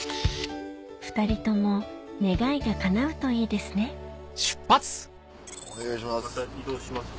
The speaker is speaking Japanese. ２人とも願いがかなうといいいですねお願いします。